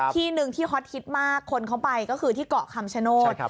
ที่หนึ่งที่ฮอตฮิตมากคนเขาไปก็คือที่เกาะคำชโนธ